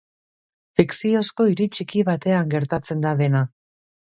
Fikziozko hiri txiki batean gertatzen da dena.